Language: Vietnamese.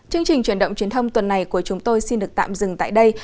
chương trình truyền động truyền thông tuần này của chúng tôi xin được tạm dừng tại đây